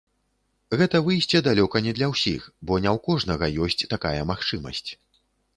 Гэта выйсце далёка не для ўсіх, бо не ў кожнага ёсць такая магчымасць.